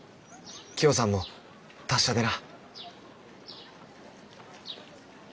きよさんも達者でな。